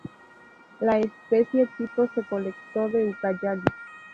La especie tipo se colectó de Ucayali.